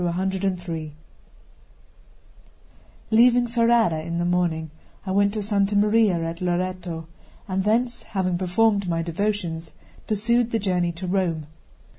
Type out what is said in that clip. C LEAVING Ferrara in the morning, I went to Santa Maria at Loreto; and thence, having performed my devotions, pursued the journey to Rome.